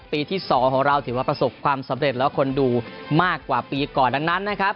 ปีที่๒ของเราถือว่าประสบความสำเร็จแล้วคนดูมากกว่าปีก่อนดังนั้นนะครับ